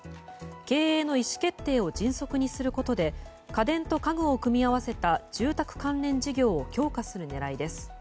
経営の意思決定を迅速にすることで家電と家具を組み合わせた住宅関連事業を強化する狙いです。